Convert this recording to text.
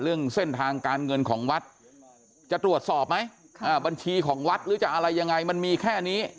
เรื่องเส้นทางการเงินของวัดจะตรวจสอบไหมบัญชีของวัดหรือจะอะไรยังไงมันมีแค่นี้